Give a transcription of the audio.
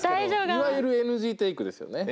いわゆるＮＧテイクですよね。